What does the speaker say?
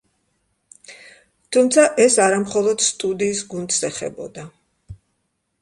თუმცა, ეს არა მხოლოდ სტუდიის გუნდს ეხებოდა.